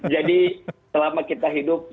jadi selama kita hidup